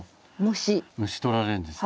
虫撮られるんですね。